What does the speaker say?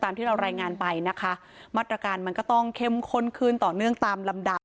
ที่เรารายงานไปนะคะมาตรการมันก็ต้องเข้มข้นขึ้นต่อเนื่องตามลำดับ